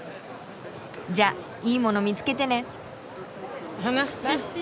じゃいいもの見つけてね。